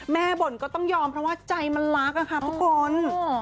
บ่นก็ต้องยอมเพราะว่าใจมันรักค่ะทุกคน